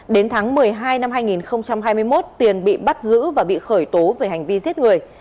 đến tháng một mươi hai năm hai nghìn hai mươi một tiền bị bắt giữ và bị khởi tố về hành vi giết người